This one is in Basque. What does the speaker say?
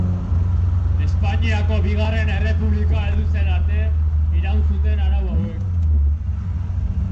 Espainiako Bigarren Errepublika heldu zen arte, iraun zuten arau hauek.